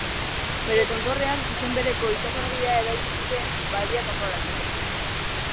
Bere tontorrean, izen bereko itsasargia eraiki zuten badia kontrolatzeko.